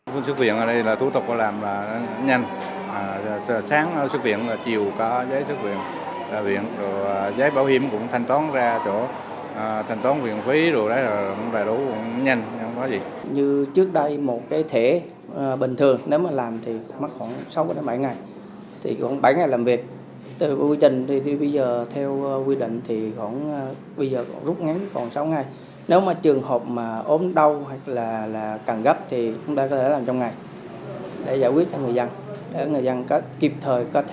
theo quy định thì bây giờ rút ngán còn sáu ngày nếu mà trường hợp mà ốm đau hoặc là càng gấp thì chúng ta có thể làm trong ngày để giải quyết cho người dân để người dân có kịp thời có thể để khám chịu bệnh